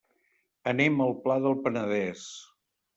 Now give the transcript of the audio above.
Anem al Pla del Penedès.